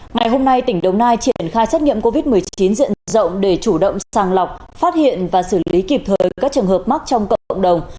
ngày hôm nay tỉnh đồng nai triển khai xét nghiệm covid một mươi chín diện rộng để chủ động sàng lọc phát hiện và xử lý kịp thời các trường hợp mắc trong cộng đồng